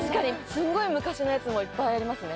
すんごい昔のやつもいっぱいありますね